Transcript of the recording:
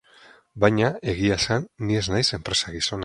Baina, egia esan, ni ez naiz enpresa-gizona.